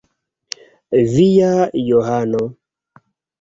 Via Johano.